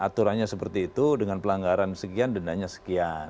aturannya seperti itu dengan pelanggaran sekian dendanya sekian